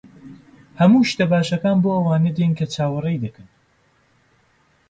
ھەموو شتە باشەکان بۆ ئەوانە دێن کە چاوەڕێ دەکەن.